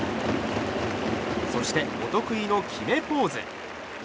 そして、お得意の決めポーズ。